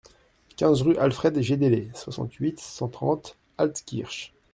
quinze rue Alfred Jédélé, soixante-huit, cent trente, Altkirch